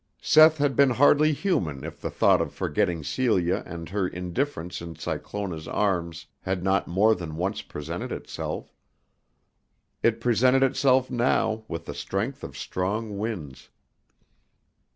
Seth had been hardly human if the thought of forgetting Celia and her indifference in Cyclona's arms had not more than once presented itself. It presented itself now with the strength of strong winds.